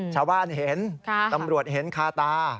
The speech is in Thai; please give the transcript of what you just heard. ชาวบ้านเห็นตำรวจเห็นคาตา